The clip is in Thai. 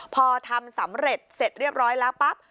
พอทำสำเร็จเสร็จเรียบร้อยแล้วปั๊บ